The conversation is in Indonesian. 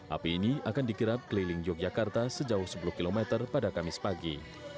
api ini akan dikirap keliling yogyakarta sejauh sepuluh km pada kamis pagi